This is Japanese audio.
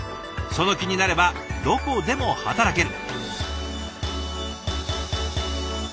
その気になればどこでも働ける。